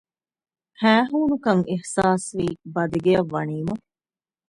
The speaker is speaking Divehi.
ހައިހޫނުކަން އިހްޞާސްވީ ބަދިގެއަށް ވަނީމަ